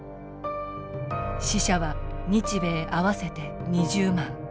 死者は日米合わせて２０万。